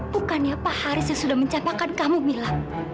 bukannya pak haris yang sudah mencapakan kamu mila